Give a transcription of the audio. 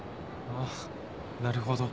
あっなるほど。